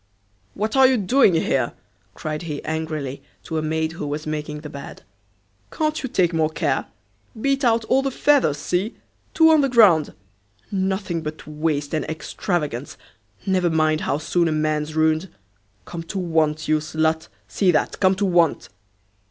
"What are doing here?" cried he angrily, to a maid who was making the bed, "can't you take more care? beat 'out all the feathers, see! two on the ground; nothing but waste and extravagance! never mind how soon a man's ruined. Come to want, you slut, see that, come to want!"